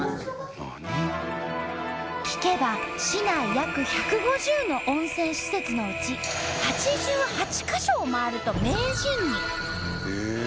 聞けば市内約１５０の温泉施設のうち８８か所を回ると名人に。